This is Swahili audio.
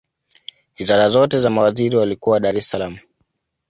wizara zote na mawaziri walikuwa dar es salaam